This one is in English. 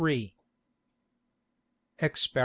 _Exper.